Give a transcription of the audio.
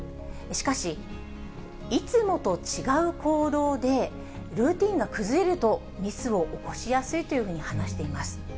しかし、いつもと違う行動で、ルーティンが崩れると、ミスを起こしやすいというふうに話しています。